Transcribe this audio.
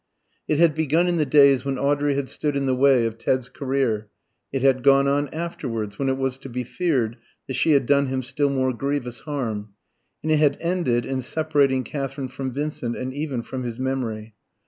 It had begun in the days when Audrey had stood in the way of Ted's career; it had gone on afterwards, when it was to be feared that she had done him still more grievous harm; and it had ended in separating Katherine from Vincent, and even from his memory.